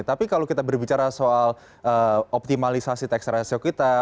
tapi kalau kita berbicara soal optimalisasi teks hasil kita